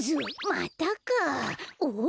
またかん？